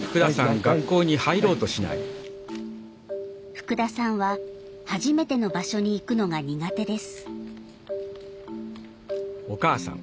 福田さんは初めての場所に行くのが苦手です。